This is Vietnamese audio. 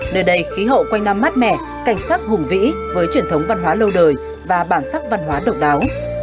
nơi đây khí hậu quanh năm mát mẻ cảnh sắc hùng vĩ với truyền thống văn hóa lâu đời và bản sắc văn hóa độc đáo